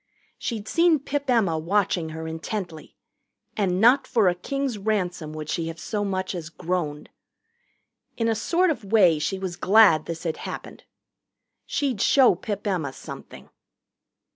She'd seen Pip Emma watching her intently, and not for a king's ransom would she have so much as groaned. In a sort of way she was glad this had happened. She'd show Pip Emma something.